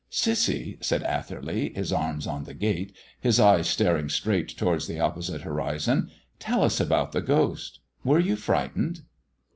"Cissy," said Atherley, his arms on the gate, his eyes staring straight towards the opposite horizon, "tell us about the ghost; were you frightened?"